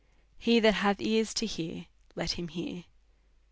He that hath ears to hear, let him hear.